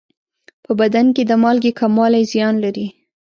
په بدن کې د مالګې کموالی زیان لري.